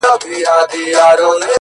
ارام سه څله دي پر زړه کوې باران د اوښکو;